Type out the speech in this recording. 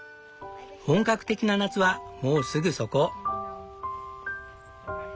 本格的な夏はもうすぐそこ。